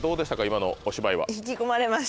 今のお芝居は。